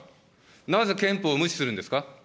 なぜ憲法を無視するんですか。